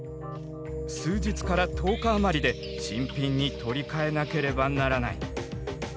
数日から１０日余りで新品に取り替えなければならない。